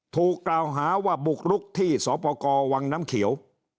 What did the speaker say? ถูกกล่าวหาว่าบุกรุกที่สปกรวังน้ำเขียว